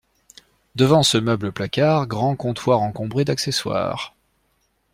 Devant ce meuble-placard, grand comptoir encombré d’accessoires.